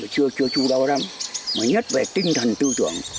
chưa chú đâu đó mới nhất về tinh thần tư tưởng